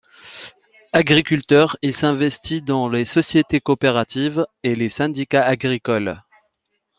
Agriculteur, il s'investit dans les sociétés coopératives et les syndicats agricoles.